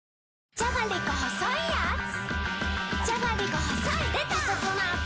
じゃがりこ細いやつ